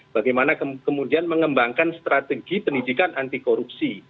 bagaimana kemudian mengembangkan strategi pendidikan anti korupsi